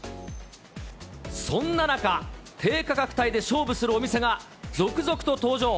そんな中、低価格帯で勝負するお店が続々と登場。